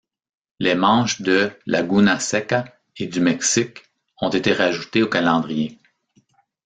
Les manches de Laguna Seca et du Mexique ont été rajoutées au calendrier.